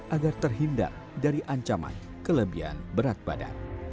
agar terhindar dari ancaman kelebihan berat badan